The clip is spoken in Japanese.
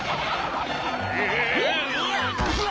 うわ！